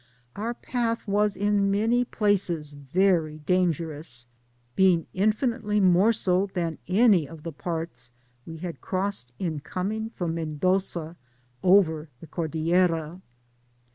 Our path was in many places very dangerous, being infinitely more so than any of the parts we had crossed in coming from Men doza over the Cordillera.